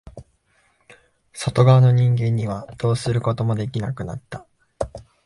外側の人間にはどうすることもできなくなった。